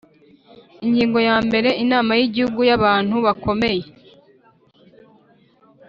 Ingingo ya mbere Inama y’Igihugu y’Abantu bakomeye